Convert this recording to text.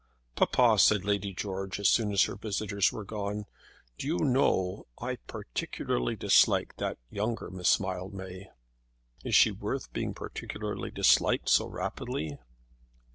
"Papa," said Lady George, as soon as her visitors were gone, "do you know I particularly dislike that younger Miss Mildmay." "Is she worth being particularly disliked so rapidly?"